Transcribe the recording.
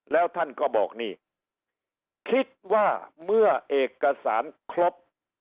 แล้วท่านก็บอกนี่คิดว่าเมื่อเอกสารครบ